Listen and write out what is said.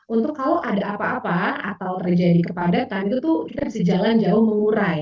untuk kalau ada apa apa atau terjadi kepadatan itu tuh kita bisa jalan jauh mengurai